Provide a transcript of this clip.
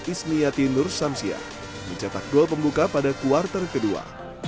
ismiyati nur samsia mencetak gol pembuka pada kuartal kedua